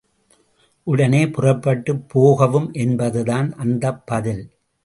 உடனே புறப்பட்டு போகவும் என்பதுதான் அந்தப் பதில்.